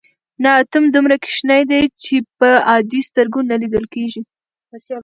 نه اتوم دومره کوچنی دی چې په عادي سترګو نه لیدل کیږي.